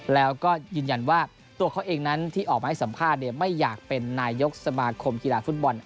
แล้วก็ยืนยันว่าตัวเขาเองนั้นที่ออกมาให้สัมภาษณ์